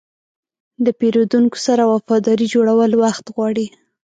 د پیرودونکو سره وفاداري جوړول وخت غواړي.